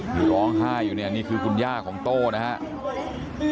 อยู่ร้องไห้อยู่เนี่ยนี่คือคุณย่าของโต้นะครับ